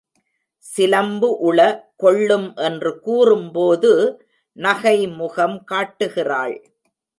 சிலம்பு உள கொள்ளும் என்று கூறும்போது நகைமுகம் காட்டுகிறாள்.